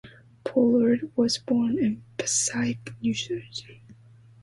Pollard was born in Passaic, New Jersey.